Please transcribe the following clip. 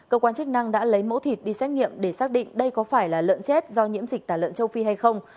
cơ quan chức năng đã lấy mẫu thịt đi xét nghiệm để xác định đây có phải là lợn chết do nhiễm dịch tả lợn châu phi hay không